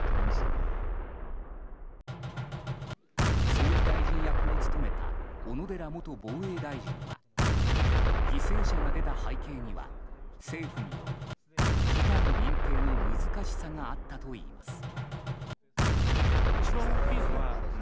総理大臣役を務めた小野寺元防衛大臣は犠牲者が出た背景には政府による事態認定の難しさがあったといいます。